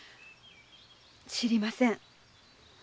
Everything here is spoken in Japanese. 知りません。